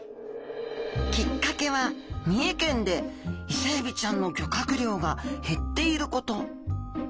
きっかけは三重県でイセエビちゃんの漁獲量が減っていること。